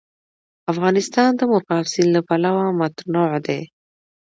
افغانستان د مورغاب سیند له پلوه متنوع دی.